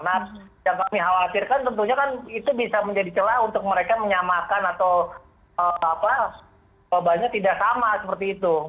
nah yang kami khawatirkan tentunya kan itu bisa menjadi celah untuk mereka menyamakan atau jawabannya tidak sama seperti itu